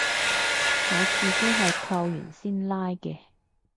我自己係扣完先拉嘅